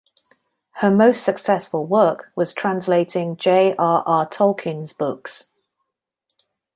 Her most successful work was translating J. R. R. Tolkien's books.